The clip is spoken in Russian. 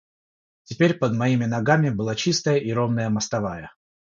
Теперь под моими ногами была чистая и ровная мостовая.